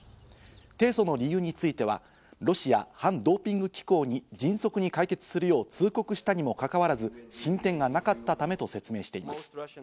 提訴の理由については、ロシア反ドーピング機構に迅速に解決するよう通告したにもかかわらず進展がなかったためと説明しています。